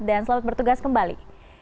dan selamat bertugas kembali